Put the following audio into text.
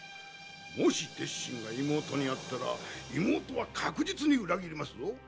もし鉄心が妹に会ったら妹は確実に裏切りますぞ。